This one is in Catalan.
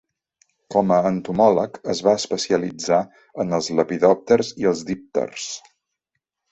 Com a entomòleg es va especialitzar en els lepidòpters i els dípters.